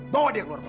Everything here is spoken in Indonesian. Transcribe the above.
bawa dia ke luar kota